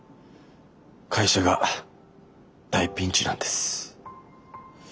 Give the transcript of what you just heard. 会社が大ピンチなんです。